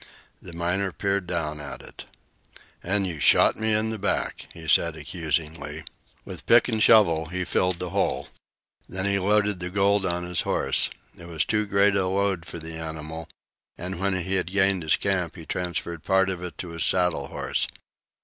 The miner peered down at it. "An' you shot me in the back!" he said accusingly. With pick and shovel he filled the hole. Then he loaded the gold on his horse. It was too great a load for the animal, and when he had gained his camp he transferred part of it to his saddle horse.